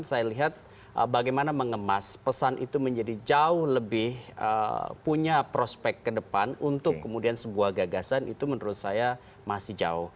saya lihat bagaimana mengemas pesan itu menjadi jauh lebih punya prospek ke depan untuk kemudian sebuah gagasan itu menurut saya masih jauh